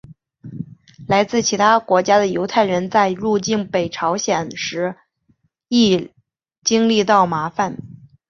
来自其他国家的犹太人在入境北朝鲜时亦经历到麻烦。